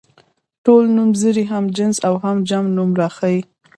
ټول نومځري هم جنس او جمع نوم راښيي.